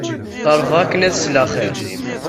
Qerrbeɣ akken ad sleɣ xir.